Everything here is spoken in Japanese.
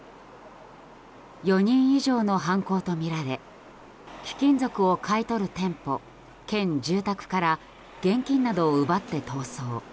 ４人以上の犯行とみられ貴金属を買い取る店舗兼住宅から現金などを奪って逃走。